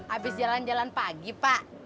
abis jalan jalan pagi pak